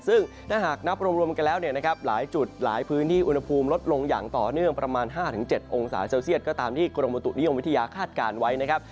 ซึ่งถ้าหากนับรวมกันแล้วเนี่ยนะครับหลายจุดหลายพื้นที่อุณหภูมิลดลงอย่างต่อเนื่องประมาณ๕๗องศาเซลเซียตก็ตามที่กรมบุตุนิยมวิทยาคาดการณ์ไว้นะครับ